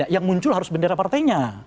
yang muncul harus bendera partainya